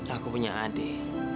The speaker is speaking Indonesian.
aku punya adik